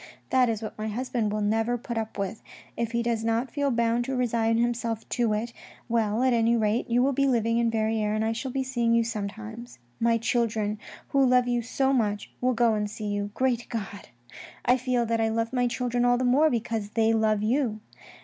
" That is what my husband will never put up with. If he does feel bound to resign himself to it, well, at any rate, you will be living in Verrieres and I shall be seeing you sometimes. My children, who love you so much, will go and see you. Great God ! I feel that I love my children all the more because they love you.